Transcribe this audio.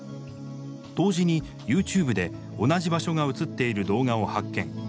同時にＹｏｕＴｕｂｅで同じ場所が映っている動画を発見。